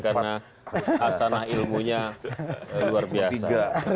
karena asana ilmunya luar biasa